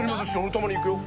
たまに行くよ。